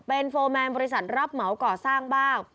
เป็นโฟร์แมนบริษัทรับเหมาก่อสร้างบ้าง